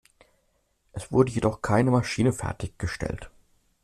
Es wurde jedoch keine Maschine fertiggestellt.